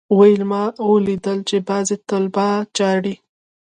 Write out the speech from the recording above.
ويل يې ما اوليدل چې بعضي طلبا جاړي.